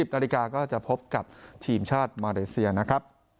นาฬิกาก็จะพบกับทีมชาติมาเลเซียนะครับ